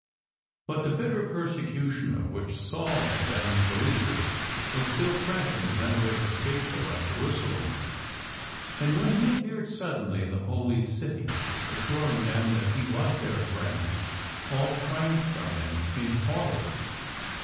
But the bitter persecution of which Saul had been the leader was still fresh in the memory of the faithful at Jerusalem, and when he appeared suddenly in the Holy City assuring them that he was their friend, all shrank from him in horror.